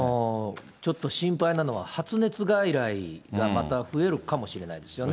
ちょっと心配なのは、発熱外来がまた増えるかもしれないですよね。